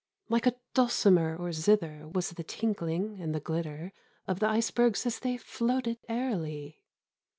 Like a dulcimer or zither Was the tinkling and the glitter Of the icebergs as they floated aerily.